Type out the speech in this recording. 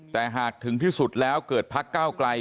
แต่หากถึงที่สุดแล้วเกิดพักเก้าไกล